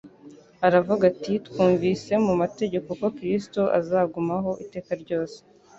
aravuga ati: «Twumvise mu mategeko ko Kristo azagumaho iteka ryose,